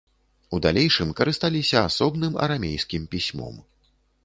У далейшым карысталіся асобным арамейскім пісьмом.